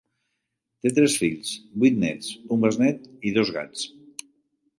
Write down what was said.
Té tres fills, vuit nets, un besnet i dos gats.